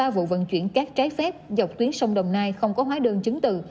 ba vụ vận chuyển cát trái phép dọc tuyến sông đồng nai không có hóa đơn chứng từ